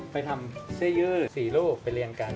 ไปทำเสื้อยืดสี่รูปไปเรียงกัน